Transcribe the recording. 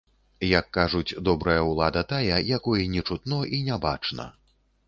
Як кажуць, добрая ўлада тая, якой не чутно і не бачна.